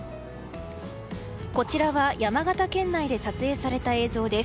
こちらは山形県内で撮影された映像です。